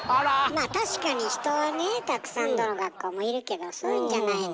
まあ確かに人はねたくさんどの学校もいるけどそういうんじゃないのよ。